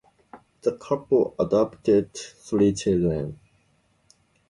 The couple adopted three children.